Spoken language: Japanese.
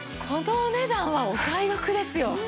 このお値段はお買い得ですよ。